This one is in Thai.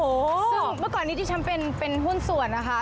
ซึ่งเมื่อก่อนนี้ที่ฉันเป็นหุ้นส่วนนะคะ